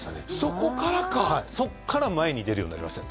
そこからかはいそっから前に出るようになりましたね